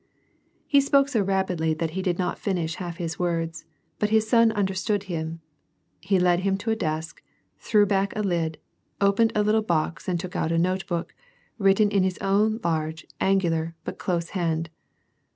He spoke so rapidly that he did not finish half of his words, but his son understood him ; he led him to a desk, threw back a lid, opened a little box and took out a note book, written iu his own large, angular, but close hand.